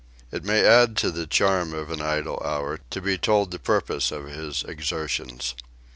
It may add to the charm of an idle hour to be told the purpose of his exertions.